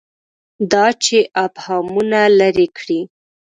دا چې ابهامونه لري کړي.